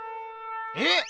えっ！